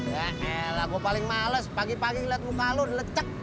yaella gue paling males pagi pagi liat muka lu engecek